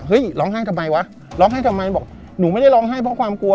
ร้องไห้ทำไมวะร้องไห้ทำไมบอกหนูไม่ได้ร้องไห้เพราะความกลัว